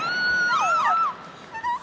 すごい！